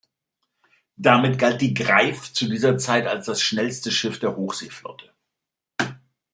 Damit galt die "Greif" zu dieser Zeit als das schnellste Schiff der Hochseeflotte.